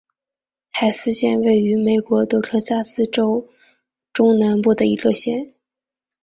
海斯县位美国德克萨斯州中南部的一个县。